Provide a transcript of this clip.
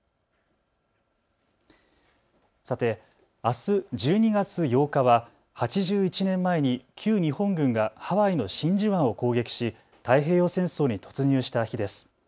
さて、あす１２月８日は８１年前に旧日本軍がハワイの真珠湾を攻撃し太平洋戦争に突入した日です。